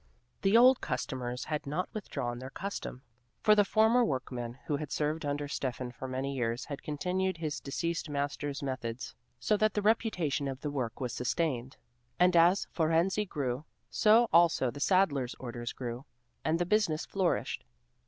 The old customers had not withdrawn their custom, for the former workman who had served under Steffan for many years had continued his deceased master's methods, so that the reputation of the work was sustained, and as Fohrensee grew, so also the saddler's orders grew, and the business flourished.